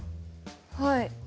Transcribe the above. はい。